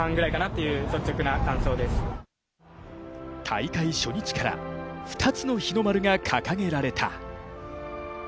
大会初日から２つの日の丸が掲げられた。